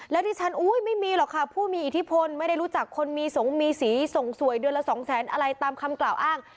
แล้วดิฉันไม่มีหรอกค่ะผู้มีอิทธิพลไม่ได้รู้จักคนมีสงมีสีส่งสวยเดือนละสองแสนอะไรตามคำกล่าวอ้าง